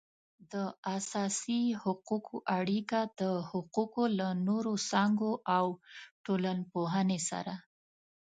د اساسي حقوقو اړیکه د حقوقو له نورو څانګو او ټولنپوهنې سره